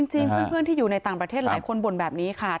จริงเพื่อนที่อยู่ในต่างประเทศหลายคนบ่นแบบนี้ค่ะ